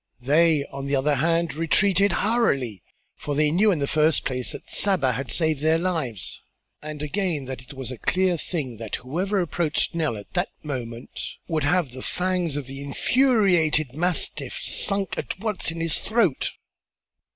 They, on the other hand, retreated hurriedly for they knew in the first place that Saba had saved their lives and again that it was a clear thing that whoever approached Nell at that moment would have the fangs of the infuriated mastiff sunk at once in his throat.